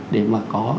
để mà có